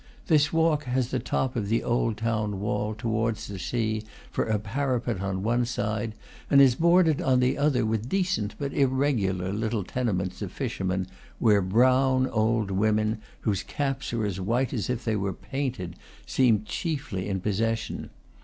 This walk has the top of the old town wall, toward the sea, for a parapet on one side, and is bordered on the other with decent but irregular little tenements of fishermen, where brown old women, whose caps are as white as if they were painted, seem chiefly in possession.